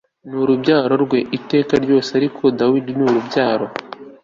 n urubyaro rwe iteka ryose ariko dawidi n urubyaro